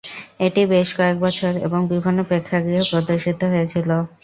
এটি বেশ কয়েক বছর এবং বিভিন্ন প্রেক্ষাগৃহে প্রদর্শিত হয়েছিল।